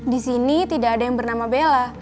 disini tidak ada yang bernama bella